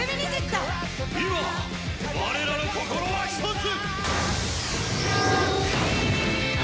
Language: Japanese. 今我らの心は一つ！